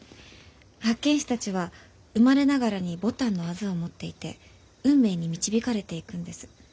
八犬士たちは生まれながらに牡丹の痣を持っていて運命に導かれていくんです。